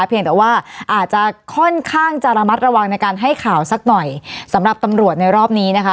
เพียงแต่ว่าอาจจะค่อนข้างจะระมัดระวังในการให้ข่าวสักหน่อยสำหรับตำรวจในรอบนี้นะคะ